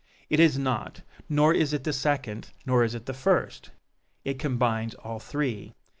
It is not! Nor is it the second nor is it the first! It combines all three.